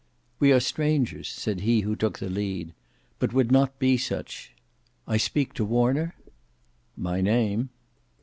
"We are strangers," said he who took the lead, "but would not be such. I speak to Warner?" "My name."